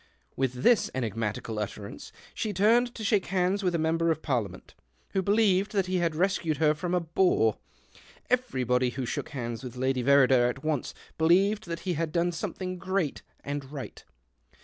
With this enigmatical utterance she turned to shake hands with a member of parliament, who believed that he had rescued her from a bore ; everybody who shook hands with Lady Verrider at once believed that he had done something great and right.